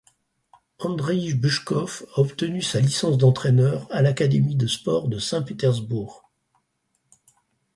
Andrei Buschkow a obtenu sa licence d'entraîneur à l'Académie de Sports de Saint-Pétersbourg.